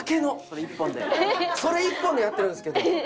それ一本でやってるんですけど。